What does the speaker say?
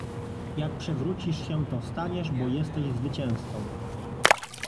Jak przewrócisz się to wstaniesz bo: jesteś zwycięzcą!